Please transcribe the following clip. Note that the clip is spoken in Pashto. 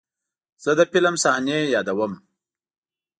زه د فلم صحنې یادوم.